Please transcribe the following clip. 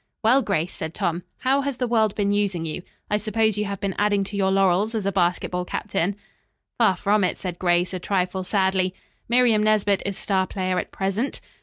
"Well, Grace," said Tom, "how has the world been using you? I suppose you have been adding to your laurels as a basketball captain." "Far from it," said Grace a trifle sadly. "Miriam Nesbit is star player at present."